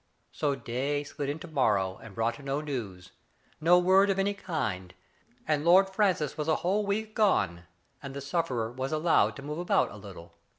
So day slid into morrow, and brought no news — no word of any kind — and Lord Francis was a whole week gone, and the sufferer was allowed to move about a little.